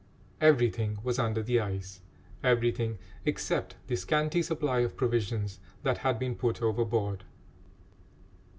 Everything was under the ice, everything except the scanty supply of provisions that had been put overboard.